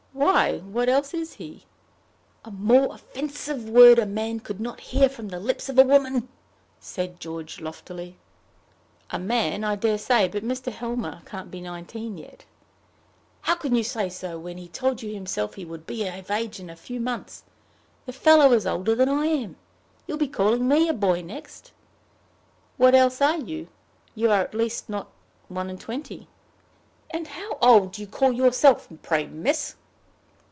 "Why, what else is he?" "A more offensive word a man could not hear from the lips of a woman," said George loftily. "A man, I dare say! But Mr. Helmer can't be nineteen yet." "How can you say so, when he told you himself he would be of age in a few months? The fellow is older than I am. You'll be calling me a boy next." "What else are you? You at least are not one and twenty." "And how old do you call yourself, pray, miss?"